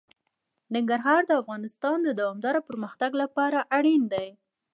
ننګرهار د افغانستان د دوامداره پرمختګ لپاره اړین دي.